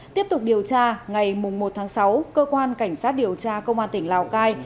tiếp tục điều tra ngày một tháng sáu cơ quan cảnh sát điều tra công an tỉnh lào cai